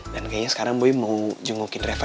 dan kayaknya sekarang boy mau jungukin reva